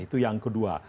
itu yang kedua